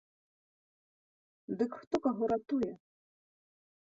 Дык хто каго ратуе?